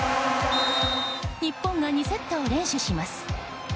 日本が２セットを連取します。